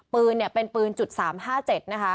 ปืนเนี่ยเป็นปืน๓๕๗นะคะ